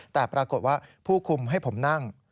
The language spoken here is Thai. แต่ปรากฏว่าผู้คุมให้ผมนั่ง